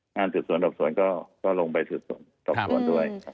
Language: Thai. งานศึกษวนตรับสวนก็ลงไปศึกษวนตรับสวนด้วย